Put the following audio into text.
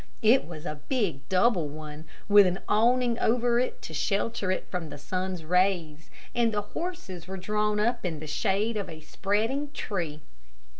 It was a big double one, with an awning over it to shelter it from the sun's rays, and the horses were drawn up in the shade of a spreading tree.